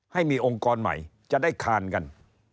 ให้มีองค์กรใหม่จะได้คานกัน